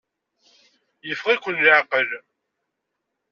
Yeffeɣ-iken leɛqel.